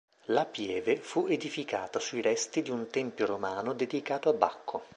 La pieve fu edificata sui resti di un tempio romano dedicato a Bacco.